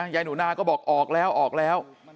ยายหนูนาก็บอกออกแล้วออกแล้ว